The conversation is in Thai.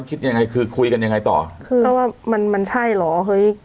คิดยังไงคือคุยกันยังไงต่อคือก็ว่ามันมันใช่เหรอเฮ้ย